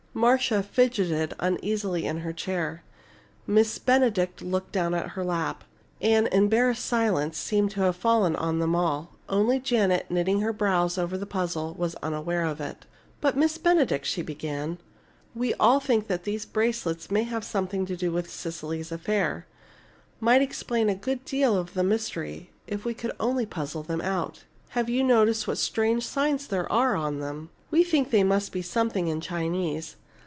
Marcia fidgeted uneasily in her chair. Miss Benedict looked down at her lap. An embarrassed silence seemed to have fallen on them all. Only Janet, knitting her brows over the puzzle, was unaware of it. "But, Miss Benedict," she began, "we all think that these bracelets may have something to do with Cecily's affairs might explain a good deal of the mystery, if we could only puzzle them out. Have you noticed what strange signs there are on them? We think they must be something in Chinese.